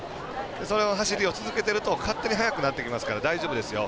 その走りを続けていると勝手に速くなってきますから大丈夫ですよ。